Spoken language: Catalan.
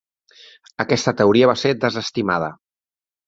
Aquesta teoria va ser desestimada.